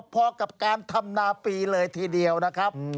พอกับการทำนาปีเลยทีเดียวนะครับ